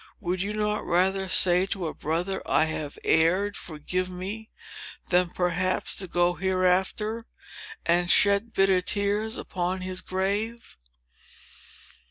Would you not rather say to a brother—"I have erred! Forgive me!"—than perhaps to go hereafter, and shed bitter tears upon his grave?